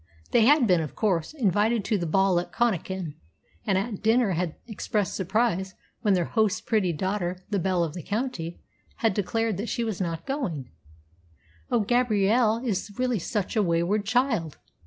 They had been, of course, invited to the ball at Connachan, and at dinner had expressed surprise when their host's pretty daughter, the belle of the county, had declared that she was not going. "Oh, Gabrielle is really such a wayward child!"